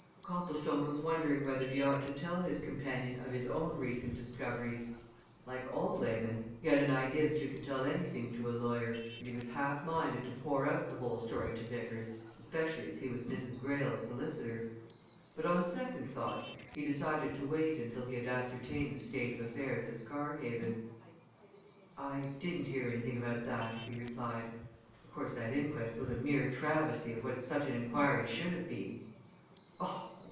Copplestone was wondering whether he ought to tell his companion of his own recent discoveries. Like all laymen, he had an idea that you can tell anything to a lawyer, and he was half minded to pour out the whole story to Vickers, especially as he was Mrs. Greyle's solicitor. But on second thoughts he decided to wait until he had ascertained the state of affairs at Scarhaven. "I didn't hear anything about that," he replied. "Of course, that inquest was a mere travesty of what such an inquiry should have been."